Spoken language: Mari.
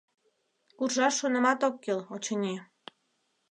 Куржаш шонымат ок кӱл, очыни...